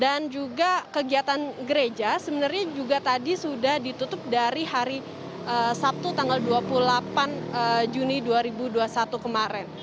dan juga kegiatan gereja sebenarnya juga tadi sudah ditutup dari hari sabtu tanggal dua puluh delapan juni dua ribu dua puluh satu kemarin